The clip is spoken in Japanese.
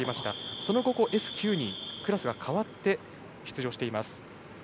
その後、Ｓ９にクラスが変わって出場しています。